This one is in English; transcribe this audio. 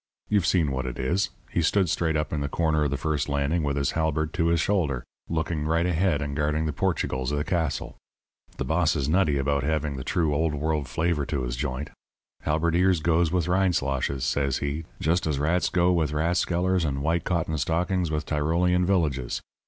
You've seen what it is he stood straight up in the corner of the first landing with his halberd to his shoulder, looking right ahead and guarding the Portugals of the castle. The boss is nutty about having the true Old World flavour to his joint. 'Halberdiers goes with Rindsloshes,' says he, 'just as rats goes with rathskellers and white cotton stockings with Tyrolean villages.'